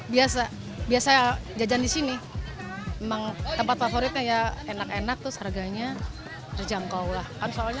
biasa biasa jajan di sini memang tempat favoritnya ya enak enak terus harganya terjangkau lah kan soalnya